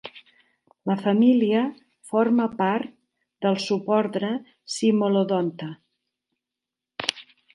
La família forma part del subordre Cimolodonta.